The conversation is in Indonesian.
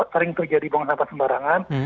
sering terjadi buang sampah sembarangan